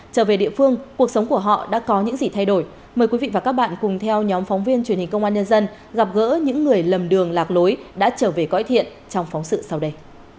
trở về địa phương cuộc sống của họ đã có những gì thay đổi mời quý vị và các bạn cùng theo nhóm phóng viên truyền hình công an nhân dân gặp gỡ những người lầm đường lạc lối đã trở về cõi thiện trong phóng sự sau đây